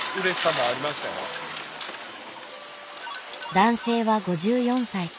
男性は５４歳。